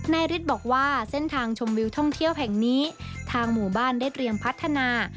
ฤทธิ์บอกว่าเส้นทางชมวิวท่องเที่ยวแห่งนี้ทางหมู่บ้านได้เตรียมพัฒนา